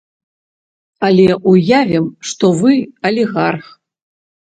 Але уявім, што вы алігарх.